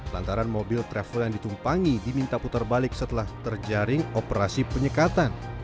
lantaran mobil travel yang ditumpangi diminta putar balik setelah terjaring operasi penyekatan